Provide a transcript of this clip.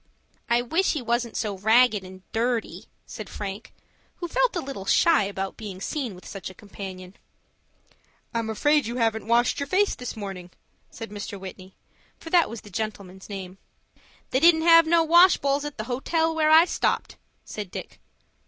"I wish he wasn't so ragged and dirty," said Frank, who felt a little shy about being seen with such a companion. "I'm afraid you haven't washed your face this morning," said Mr. Whitney, for that was the gentleman's name. "They didn't have no wash bowls at the hotel where I stopped," said Dick.